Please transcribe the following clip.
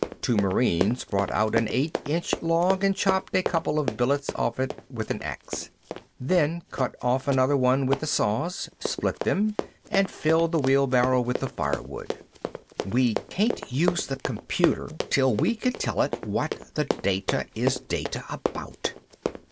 Two Marines brought out an eight inch log and chopped a couple of billets off it with an ax, then cut off another with one of the saws, split them up, and filled the wheelbarrow with the firewood. [Illustration: _We can't use the computer till we can tell it what the data is data about!